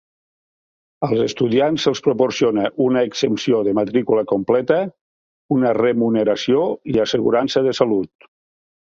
Als estudiants se'ls proporciona una exempció de matrícula completa, una remuneració i assegurança de salut.